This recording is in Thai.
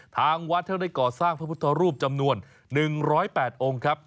ทางวัดท่านได้ก่อสร้างพระพุทธรูปจำนวน๑๐๘องค์ครับ